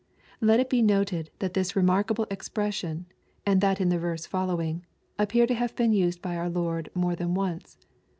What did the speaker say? Let it be noted, that this remarkable expression, and that in the verse following, appear to have been used by our Lord more than once.